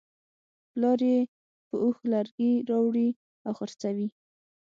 پلار یې په اوښ لرګي راوړي او خرڅوي.